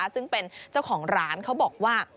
ซึ่งเป็นเจ้าของร้านเขาบอกว่า